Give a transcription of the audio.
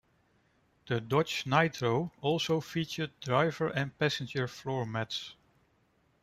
The Dodge Nitro also featured driver and passenger's floor mats.